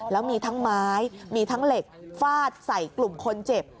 แล้วมีทั้งไม้มีทั้งเหล็กฟาดใส่กลุ่มคนเจ็บ